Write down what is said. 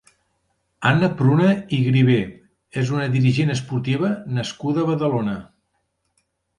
Anna Pruna i Grivé és una dirigent esportiva nascuda a Badalona.